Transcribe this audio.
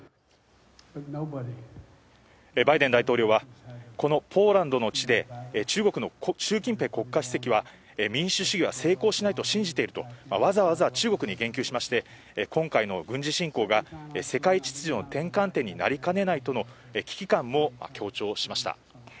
バイデン大統領は、このポーランドの地で、中国の習近平国家主席は民主主義は成功しないと信じていると、わざわざ中国に言及しまして、今回の軍事侵攻が世界秩序の転換点になりかねないとの危機感も強調しました。